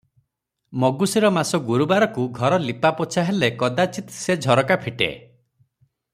ମଗୁଶିର ମାସ ଗୁରୁବାରକୁ ଘର ଲିପାପୋଛା ହେଲେ କଦାଚିତ୍ ସେ ଝରକା ଫିଟେ ।